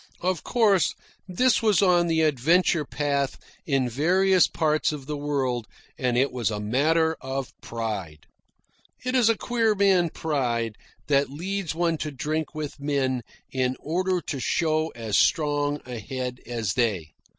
Of course, this was on the adventure path in various parts of the world, and it was a matter of pride. It is a queer man pride that leads one to drink with men in order to show as strong a head as they.